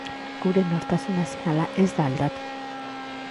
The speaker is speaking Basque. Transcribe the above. Gure nortasun nazionala ez da aldatu.